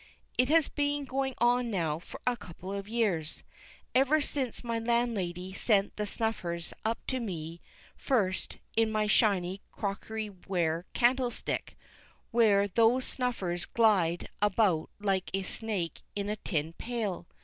It has been going on now for a couple of years, ever since my landlady sent the snuffers up to me first in my shiney crockery ware candlestick, where those snuffers glide about like a snake in a tin pail.